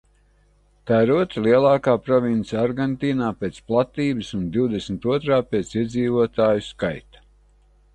Tā ir otrā lielākā province Argentīnā pēc platības un divdesmit otrā pēc iedzīvotāju skaita.